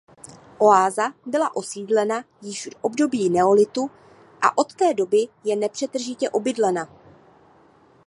Oáza byla osídlena již v období neolitu a od té doby je nepřetržitě obydlena.